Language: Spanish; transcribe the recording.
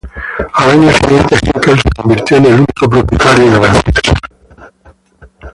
Al año siguiente, Henkel se convirtió en el único propietario de la empresa.